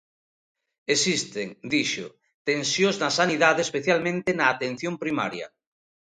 Existen, dixo, "tensións na sanidade, especialmente na Atención Primaria".